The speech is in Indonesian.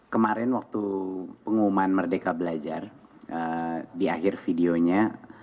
kemarin waktu pengumuman merdeka belajar di akhir videonya